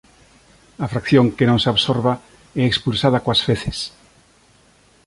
A fracción que non se absorba é expulsada coas feces.